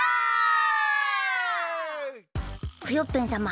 クヨッペンさま